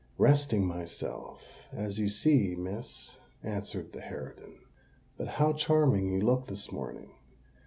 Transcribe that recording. "Resting myself, as you see, miss," answered the harridan. "But how charming you look this morning!